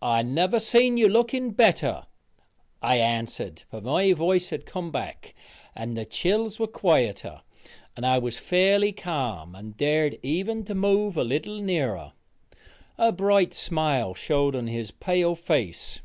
"I never see you looking better," I answered, for my voice had came back, and the chills were quieter, and I was fairly ca'm and dared even to move a little nearer. A bright smile showed on his pale face.